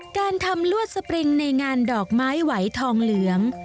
การทำลวดสปริงในงานดอกไม้ไหวทองเหลือง